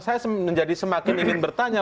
saya menjadi semakin ingin bertanya